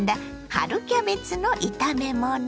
春キャベツの炒め物。